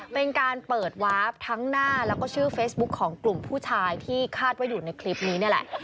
เป็นการเปิดวาร์ฟทั้งหน้าแล้วก็ชื่อเฟซบุ๊คของกลุ่มผู้ชายที่คาดว่าอยู่ในคลิปนี้นี่แหละ